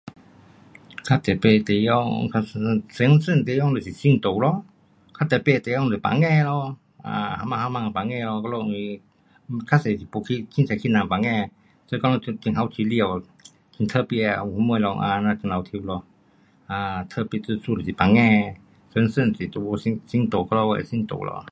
较特别地方，较神圣的地方就是神座咯。较特别的地方是房间咯，谁人谁人的房间咯，我们因为较多是没去，随便去人的房间，所以讲若偷去里下，很特别有什么咯，啊这样很滑稽咯，啊，特别之处就是房间，神圣就是神座，好像我的神座。